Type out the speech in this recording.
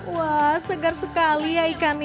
wah segar sekali ya ikannya